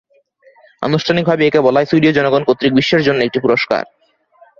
আনুষ্ঠানিকভাবে একে বলা হয় "সুইডীয় জনগণ কর্তৃক বিশ্বের জন্য একটি পুরস্কার"।